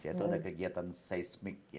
yaitu ada kegiatan seismik